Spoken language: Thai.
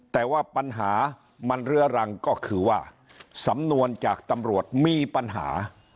แต่ว่าปัญหามันเรื้อรังก็คือว่าสำนวนจากตำรวจมีปัญหา